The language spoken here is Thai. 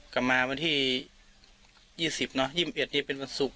กลับมาวันที่๒๐เนอะ๒๑นี่เป็นวันศุกร์